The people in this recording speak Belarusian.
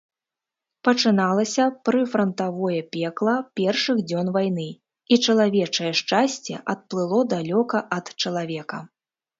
Пачыналася прыфрантавое пекла першых дзён вайны, і чалавечае шчасце адплыло далёка ад чалавека.